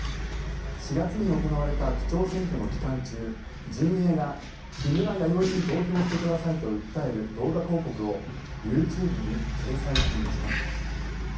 ４月に行われた区長選挙の期間中陣営が木村弥生に投票してくださいと訴える動画広告をＹｏｕＴｕｂｅに掲載していました。